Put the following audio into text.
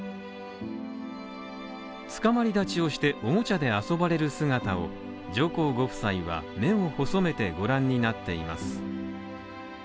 つかまり立ちをして、おもちゃで遊ばれる姿を上皇ご夫妻は目を細めてご覧になっています。